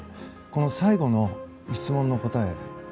この最後の質問の答え。